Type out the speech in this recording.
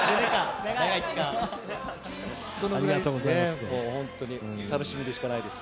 そのぐらいですね、本当に楽しみでしかないです。